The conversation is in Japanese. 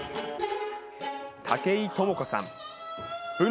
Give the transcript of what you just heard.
武居智子さん。